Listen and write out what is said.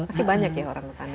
masih banyak ya orang utan